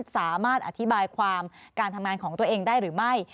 สามารถอธิบายความการทำงานของตัวเองได้หรือไม่